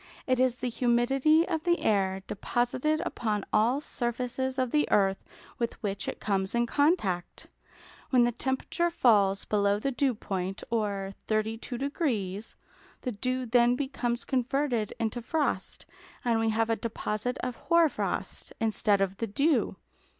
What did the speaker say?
It is the humidity of the air deposited upon all surfaces of the earth with which it comes in contact. When the temperature falls below the dew point, or 32°, the dew then becomes converted into frost, and we have a deposit of hoar frost, instead of the dew.